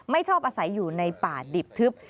ชอบอาศัยอยู่ในป่าดิบทึบ